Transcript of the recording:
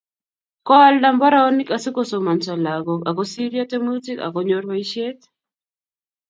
Koalda mbaronik asikosomonso lagok akosiryo tiemutik akonyor boisiet